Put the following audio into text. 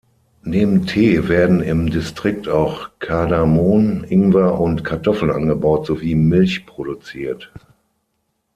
Neben Tee werden im Distrikt auch Kardamom, Ingwer und Kartoffeln angebaut sowie Milch produziert.